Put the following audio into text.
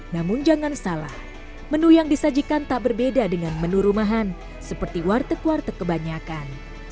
namun jangan salah menu yang disajikan tak berbeda dengan menu rumahan seperti warteg warteg kebanyakan